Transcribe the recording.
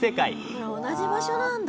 これ同じ場所なんだ。